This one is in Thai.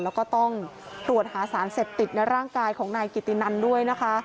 แล้วก็ต้องตรวจหาสารเสพติดในร่างกายของนายกิตินันด้วยนะคะ